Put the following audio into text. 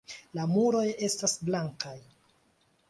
La muroj estas blankaj.